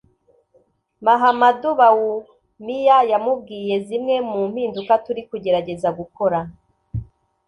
Mahamadu Bawumia yamubwiye zimwe mu mpinduka turi kugerageza gukora